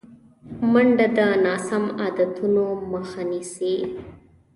منډه د ناسم عادتونو مخه نیسي